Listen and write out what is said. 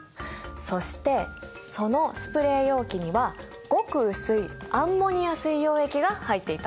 そしてそのスプレー容器にはごく薄いアンモニア水溶液が入っていたんだ。